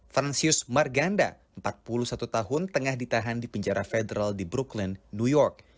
vanzius marganda empat puluh satu tahun tengah ditahan di penjara federal di bruklan new york